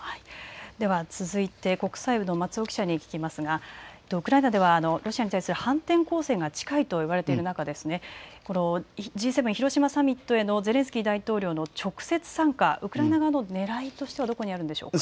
続いて国際部の松尾記者に聞きますが、ウクライナではロシアに対する反転攻勢が近いと言われている中で、Ｇ７広島サミットへのゼレンスキー大統領の直接参加、ウクライナ側のねらいとしてはどこにあるんでしょうか。